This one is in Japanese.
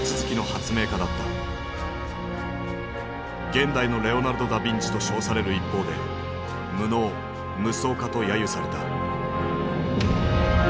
「現代のレオナルド・ダビンチ」と称される一方で「無能」「夢想家」とやゆされた。